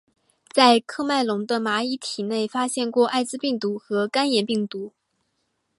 在喀麦隆的蚂蟥体内发现过艾滋病毒和肝炎病毒。